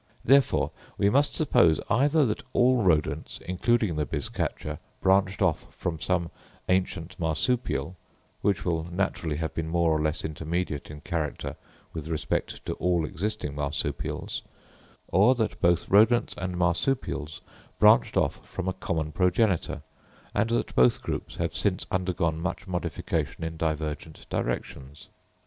Therefore, we must suppose either that all Rodents, including the bizcacha, branched off from some ancient Marsupial, which will naturally have been more or less intermediate in character with respect to all existing Marsupials; or that both Rodents and Marsupials branched off from a common progenitor, and that both groups have since undergone much modification in divergent directions.